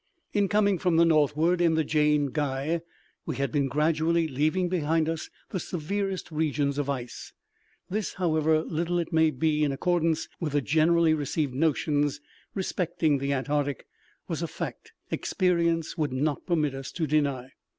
In coming from the northward in the Jane Guy we had been gradually leaving behind us the severest regions of ice—this, however little it maybe in accordance with the generally received notions respecting the Antarctic, was a fact—experience would not permit us to deny.